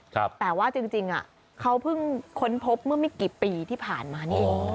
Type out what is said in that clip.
แต่ว่าจริงเขาเพิ่งค้นพบเมื่อไม่กี่ปีที่ผ่านมานี่เอง